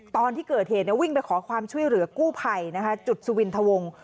ตอนที่เกิดเหตุวิ่งไปขอความช่วยเหลือกู้ภัยนะคะจุดสุวินทะวง